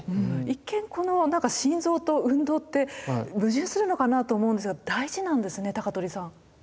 一見このなんか心臓と運動って矛盾するのかなと思うんですが大事なんですね高取さん。